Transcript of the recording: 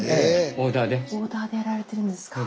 オーダーでやられてるんですか。